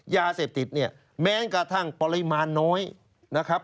ยาเสพติดเนี่ยแม้กระทั่งปริมาณน้อยนะครับ